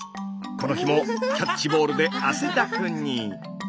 この日もキャッチボールで汗だくに。